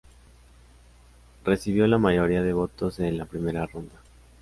Recibió la mayoría de votos en la primera ronda.